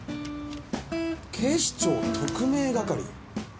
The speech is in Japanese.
警視庁特命係？